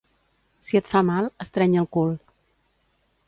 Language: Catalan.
Si et fa mal, estreny el cul.